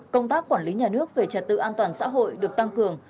công tác quản lý nhà nước về trật tự an toàn xã hội được tăng cường